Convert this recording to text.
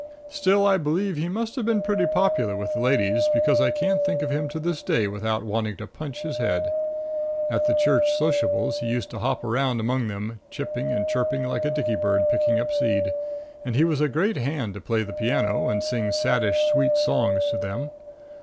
Still I believe he must have been pretty popular with the ladies, because I can't think of him to this day without wanting to punch his head. At the church sociables he used to hop around among them, chipping and chirping like a dicky bird picking up seed; and he was a great hand to play the piano, and sing saddish, sweetish songs to them.